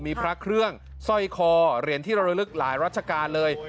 มีพระเครื่องสร้อยคอเหรียญที่ระลึกหลายรัชกาลเลย